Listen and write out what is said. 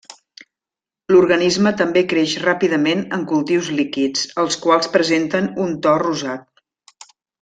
L'organisme també creix ràpidament en cultius líquids, els quals presenten un to rosat.